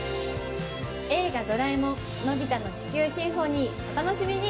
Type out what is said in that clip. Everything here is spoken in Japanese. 『映画ドラえもんのび太の地球交響楽』お楽しみに！